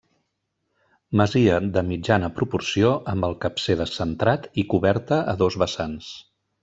Masia de mitjana proporció amb el capcer descentrat i coberta a dos vessants.